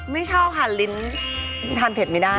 ไม่เช่าค่ะลิ้นทานเผ็ดไม่ได้